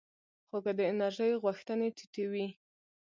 خو که د انرژۍ غوښتنې ټیټې وي